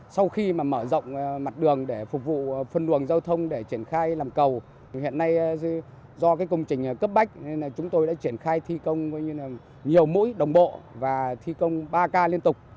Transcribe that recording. sau khi mở rộng mặt đường để phục vụ phân đường giao thông để triển khai làm cầu hiện nay do công trình cấp bách chúng tôi đã triển khai thi công nhiều mũi đồng bộ và thi công ba ca liên tục